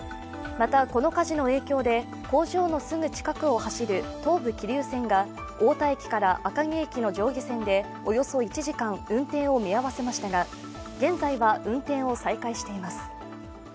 また、この火事の影響で工場のすぐ近くを走る東武桐生線が太田駅から赤城駅の上下線でおよそ１時間運転を見合わせましたが現在は運転を再開しています。